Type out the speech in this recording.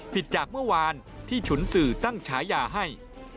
จากเมื่อวานที่ฉุนสื่อตั้งฉายาให้